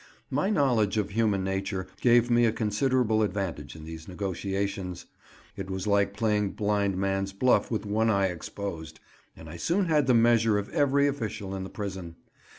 My knowledge of human nature gave me a considerable advantage in these negotiations; it was like playing blind man's buff with one eye exposed, and I soon had the measure of every official in the prison.